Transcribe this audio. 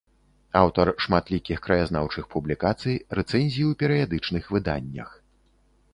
Аўтар шматлікіх краязнаўчых публікацый, рэцэнзій у перыядычных выданнях.